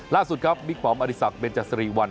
ล่าสุดครับมิกฟอร์มอดิษักเบนเจษรีวัล